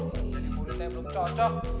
jadi muridnya belum cocok